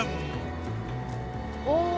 お！